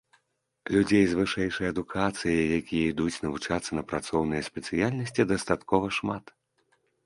Людзей з вышэйшай адукацыяй, якія ідуць навучацца на працоўныя спецыяльнасці дастаткова шмат.